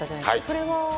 それは？